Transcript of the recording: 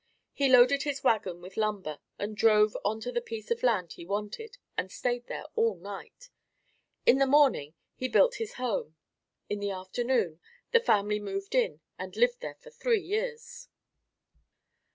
He loaded his wagon with lumber and drove onto the piece of land he wanted and stayed there all night. In the morning he built his home. In the afternoon the family moved in and lived there for three years.